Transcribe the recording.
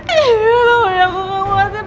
ini loh yang aku kekuatkan